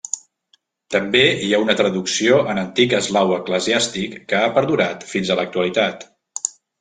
També hi ha una traducció en antic eslau eclesiàstic que ha perdurat fins a l'actualitat.